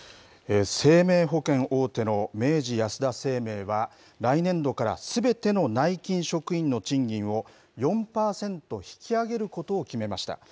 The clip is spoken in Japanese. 生命保険大手の明治安田生命は、来年度からすべての内勤職員の賃金を４％引き上げることを決めました。